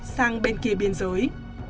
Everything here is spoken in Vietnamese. sang bên kia biên giới